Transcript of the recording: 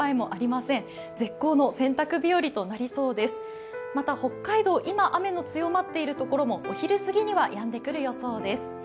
また、北海道、今雨の強まっている所もお昼過ぎにはやんでくる予想です。